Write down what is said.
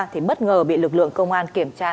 thì bất ngờ bị lực lượng công an kiểm tra